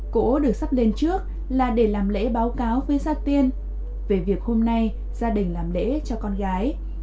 cũ được sắp lên trước là để làm lễ báo cáo với gia tiên về việc hôm nay gia đình làm lễ cho con gái